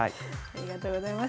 ありがとうございます。